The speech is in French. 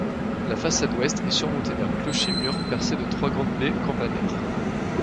La façade ouest est surmontée d'un clocher-mur percé de trois grandes baies campanaires.